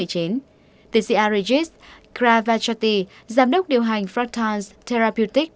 tên sĩ arigis kravachati giám đốc điều hành fractans therapeutics